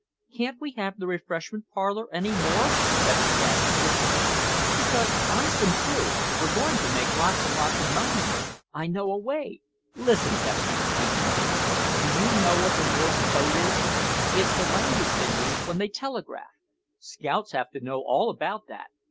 "Can't we have the refreshment parlor any more?" Pepsy asked wistfully. "Because, honest and true, we're going to make lots and lots of money in it; I know a way—" "Listen, Pepsy," Pee wee said. "Do you know what the Morse Code is? It's the language they use when they telegraph. Scouts have to know all about that.